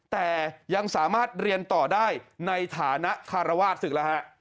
แต่ยังสามารถเรียนต่อได้ในฐานะคารวาสศึกแล้วฮะ